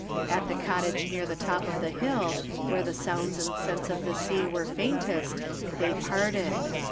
At the cottage near the top of the hill, where the sounds and scents of the sea were faintest, they parted.